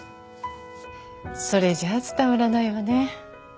それじゃ伝わらないわね。